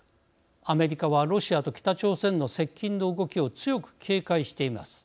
アメリカはロシアと北朝鮮の接近の動きを強く警戒しています。